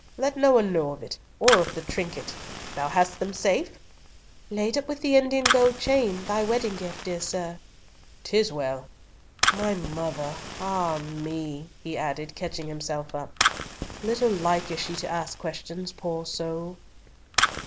Let no one know of it, or of the trinket—Thou hast them safe?" "Laid up with the Indian gold chain, thy wedding gift, dear sir." "'Tis well. My mother!—ah me," he added, catching himself up; "little like is she to ask questions, poor soul."